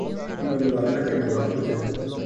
میں مولانا کے مداحوں میں سے ہوں۔